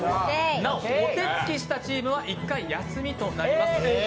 なおお手付きしたチームは１回休みとなります。